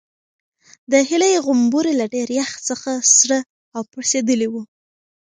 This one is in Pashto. د هیلې غومبوري له ډېر یخ څخه سره او پړسېدلي وو.